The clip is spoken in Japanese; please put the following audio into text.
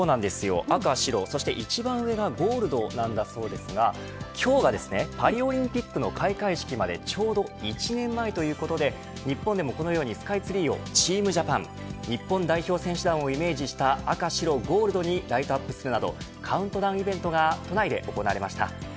赤と白、そして一番上がゴールドだそうですが今日が、パリオリンピックの開会式までちょうど１年前ということで日本でもこのようにスカイツリーをチームジャパン日本代表選手団をイメージした赤、白、ゴールドにライトアップするなどカウントダウンイベントが都内で行われました。